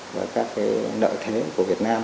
và các nợ thế của việt nam